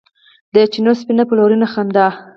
د چېنو سپینه بلورینه خندا